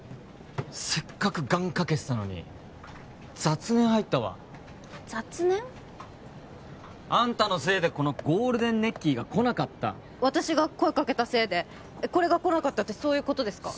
せっかく願かけてたのに雑念入ったわ雑念？あんたのせいでこのゴールデンネッキーがこなかった私が声かけたせいでこれがこなかったってそういうことですか？